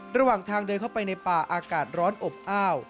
ระหว่างทางเดินเข้าไปในป่าอากาศร้อนอบอ้าว